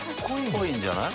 ぽいんじゃない？